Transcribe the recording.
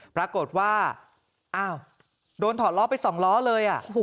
ปรากฏว่าอ้าวโดนถอดล้อไป๒ล้อเลย